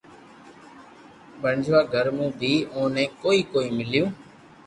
پئچوا گھر مون بي اوني ڪوئي ڪوئي ميليو